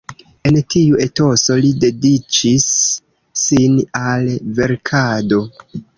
En tiu etoso li dediĉis sin al verkado.